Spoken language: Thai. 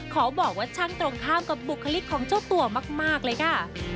ขอบอกว่าช่างตรงข้ามกับบุคลิกของเจ้าตัวมากเลยค่ะ